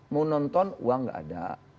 mau nonton uang nggak ada